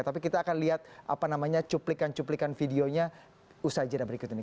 tapi kita akan lihat apa namanya cuplikan cuplikan videonya usai jeda berikut ini